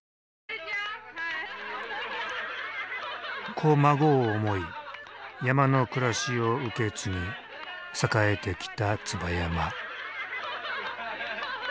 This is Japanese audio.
子孫を思い山の暮らしを受け継ぎ栄えてきた椿山。